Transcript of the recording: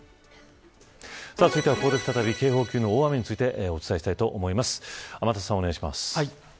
続いては、ここで再び警報級の大雨についてお伝えしたいと思います。